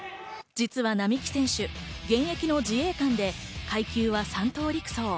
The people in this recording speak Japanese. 実は並木選手、現役の自衛官で階級は３等陸曹。